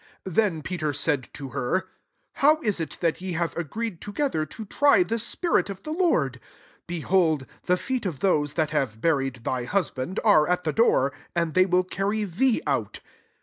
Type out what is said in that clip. '* 9 Then Pete* said to her, «* How is it that jt have agreed together to try th« spirit of the Lord ? Behold, thf feet of tliose that have burie<3 thy husband are at the door, and they will carry thee out.''